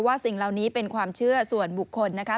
สิ่งเหล่านี้เป็นความเชื่อส่วนบุคคลนะคะ